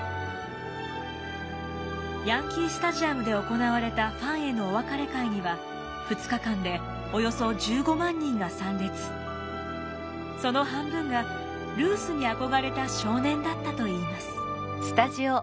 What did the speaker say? ヤンキースタジアムで行われたファンへのお別れ会にはその半分がルースに憧れた少年だったといいます。